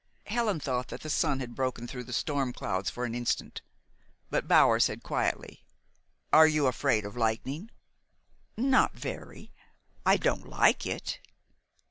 Helen thought that the sun had broken through the storm clouds for an instant; but Bower said quietly: "Are you afraid of lightning?" "Not very. I don't like it."